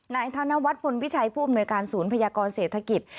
นายธนวัฒนพลวิชัยผู้อำนวยการศูนย์พยากรเศรษฐกิจ